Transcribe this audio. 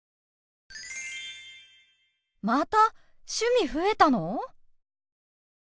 また趣味増えたの！？